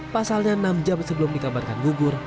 pasalnya enam jam sebelum dikabarkan gugur